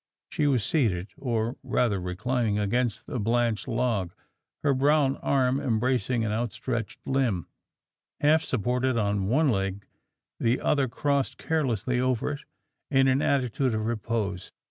She was seated, or rather reclining, against the blanched log; her brown arm embracing an outstretched limb; half supported on one leg the other crossed carelessly over it in an attitude of repose.